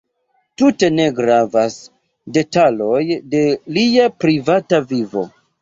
Tute ne gravas detaloj de lia privata vivo.